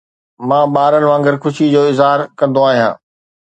مان ٻارن وانگر خوشي جو اظهار ڪندو آهيان